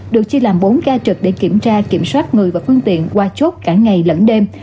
được chia làm bốn ca trực để kiểm tra kiểm soát người và phương tiện qua chốt cả ngày lẫn đêm